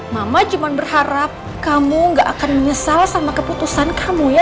mama cuma berharap kamu gak akan menyesal sama keputusan kamu ya